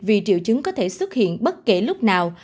vì triệu chứng có thể xuất hiện bất kể lúc nào